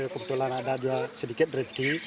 kebetulan ada sedikit rezeki